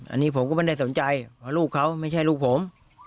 อันนี้ผมก็ไม่ได้สนใจเพราะลูกเขาไม่ใช่ลูกผม